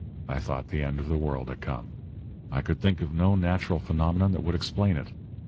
I thought the end of the world had come. I could think of no natural phenomenon that would explain it.